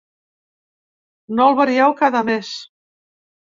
No el varieu cada mes.